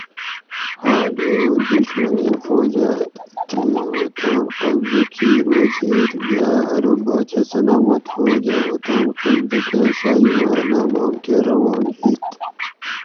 حال ایںوں دُشمنیں فوج اۤ تھیں اوطاۤن قبضہ کیر وزیر یاۤ ارو باچہ سلامت فوج اۤ اوطاۤن قبضہ کاۤ شاہی محلاۤں بام کہ روان ہِت